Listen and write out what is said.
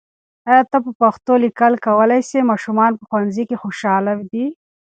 آیا ته په پښتو لیکل کولای سې؟ ماشومان په ښوونځي کې خوشاله دي.